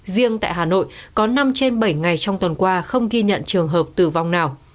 riêng tại hà nội có năm trên bảy ngày trong tuần qua không ghi nhận trường hợp tử vong nào